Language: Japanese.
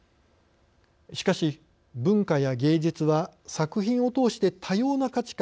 しかし文化や芸術は作品を通して多様な価値観